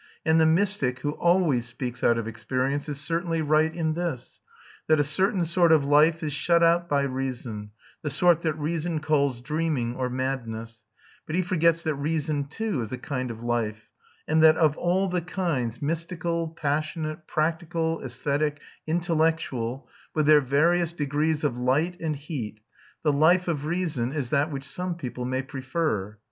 And the mystic, who always speaks out of experience, is certainly right in this, that a certain sort of life is shut out by reason, the sort that reason calls dreaming or madness; but he forgets that reason too is a kind of life, and that of all the kinds mystical, passionate, practical, æsthetic, intellectual with their various degrees of light and heat, the life of reason is that which some people may prefer.